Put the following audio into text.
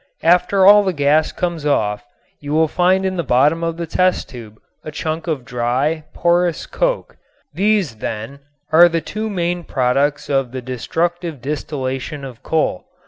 After all the gas comes off you will find in the bottom of the test tube a chunk of dry, porous coke. These, then, are the two main products of the destructive distillation of coal.